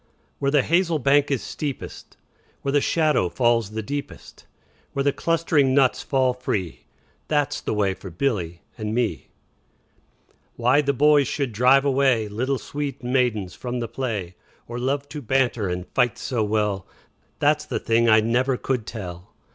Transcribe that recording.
Where the hazel bank is steepest, Where the shadow falls the deepest, Where the clustering nuts fall free, 15 That 's the way for Billy and me. Why the boys should drive away Little sweet maidens from the play, Or love to banter and fight so well, That 's the thing I never could tell.